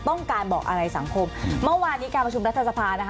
ต้องการบอกอะไรสังคมเมื่อวานนี้การประชุมรัฐสภานะคะ